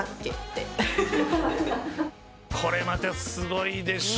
これまたすごいでしょ。